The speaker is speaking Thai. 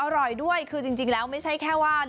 อร่อยด้วยคือจริงแล้วไม่ใช่แค่ว่า